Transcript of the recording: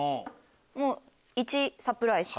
もう１サプライズ。